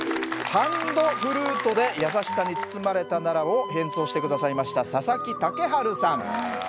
ハンドフルートで「やさしさに包まれたなら」を演奏して下さいました佐佐木健晴さん。